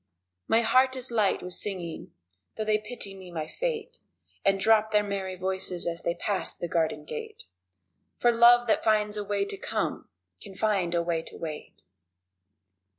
My heart is light with singing (though they pity me my fate And drop their merry voices as they pass the garden gate) For love that finds a way to come, can find a way to wait!